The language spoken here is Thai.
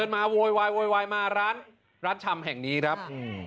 มาโวยวายโวยวายมาร้านร้านชำแห่งนี้ครับอืม